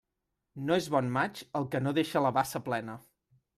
No és bon maig el que no deixa la bassa plena.